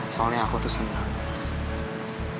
soalnya aku tuh senang